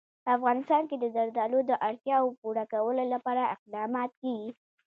په افغانستان کې د زردالو د اړتیاوو پوره کولو لپاره اقدامات کېږي.